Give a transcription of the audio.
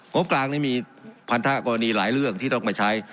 บกลางนี่มีพันธกรณีหลายเรื่องที่ต้องไปใช้